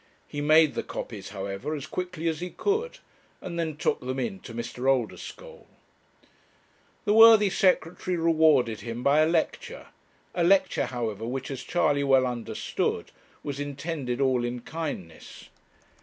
He made the copies, however, as quickly as he could, and then took them in to Mr. Oldeschole. The worthy Secretary rewarded him by a lecture; a lecture, however, which, as Charley well understood, was intended all in kindness.